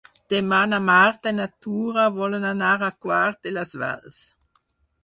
Demà na Marta i na Tura volen anar a Quart de les Valls.